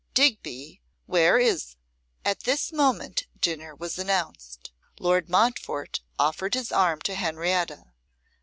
Digby, where is ' At this moment dinner was announced. Lord Montfort offered his arm to Henrietta.